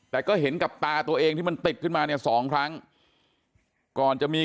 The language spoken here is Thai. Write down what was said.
แต่ก็เห็นกับตาตัวเองที่มันติดขึ้นมาเนี่ยสองครั้งก่อนจะมี